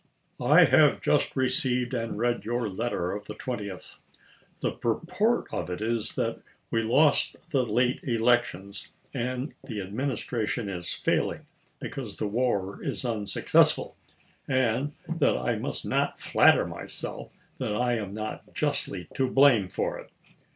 I have just received and read your letter of the 20th. The purport of it is that we lost the late elections, and the Administration is failing because the war is unsuc cessful, and that I must not flatter myself that I am not justly to blame for it.